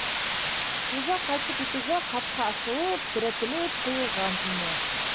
Хужа ҡайтып етеүгә ҡапҡа асылып, терәтелеп ҡуйылған ине.